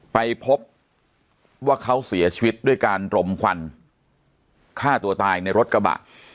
ไปพบว่าเขาเสียชีวิตด้วยการรมควันฆ่าตัวตายในรถกระบะ